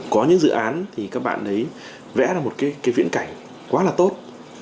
có những dự án thì các bạn đấy vẽ ra một cái viễn cảnh quá là tốt